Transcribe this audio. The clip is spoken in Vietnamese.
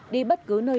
đi bất cứ nơi